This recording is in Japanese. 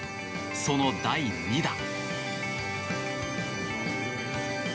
その第２打。